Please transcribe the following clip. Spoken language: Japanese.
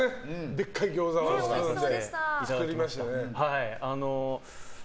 でっかいギョーザを作りましたよね。